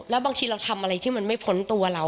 แล้วบางทีเราทำอะไรที่มันไม่พ้นตัวเรา